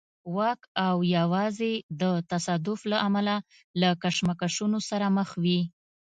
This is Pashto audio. واک او یوازې د تصادف له امله له کشمکشونو سره مخ وي.